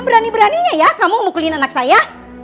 berani beraninya ya kamu mukulin anak saya